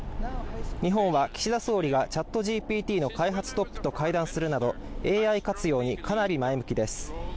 日本は岸田総理がＣｈａｔＧＰＴの開発トップと会談するなど、ＡＩ活用にかなり前向きです。